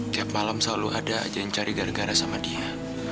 tiap malam selalu ada aja yang cari gara gara sama dia